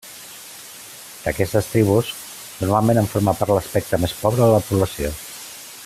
D'aquestes tribus, normalment en forma part l'espectre més pobre de la població.